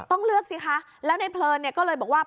ต้องเลือกสิคะแล้วในเพลินเนี่ยก็เลยบอกว่า